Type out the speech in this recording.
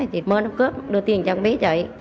chị mơ đập cướp đưa tiền cho ông bế chạy